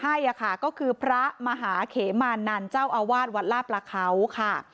ให้ค่ะก็คือพระมหาเขมานันเจ้าอาวาสวัดลาประเขาค่ะ